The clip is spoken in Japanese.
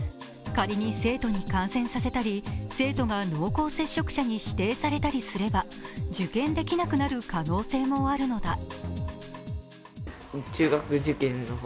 仮に生徒に感染させたり生徒が濃厚接触者に指定されたりすれば受験できなくなる可能性もあるのだ。